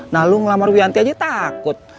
nah lu ngelamar wianti aja takut